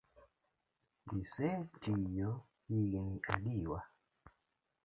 Ise tiyo igni adiwa?